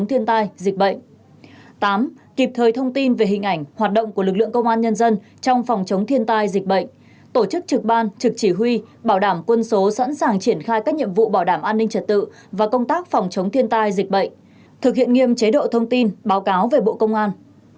tám tiếp tục phát huy vai trò trách nhiệm của lực lượng công an cấp xã trong ứng phó với thiên tai giải quyết các vụ việc phức tạp về an ninh trật tự và công tác phòng chống thiên tai dịch bệnh thực hiện nghiêm chế độ thông tin báo cáo về bộ công an